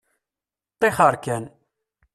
Ṭṭixer kan.